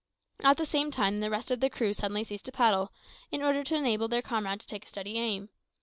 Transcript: At the same time the rest of the crew suddenly ceased to paddle, in order to enable their comrade to take a steady aim.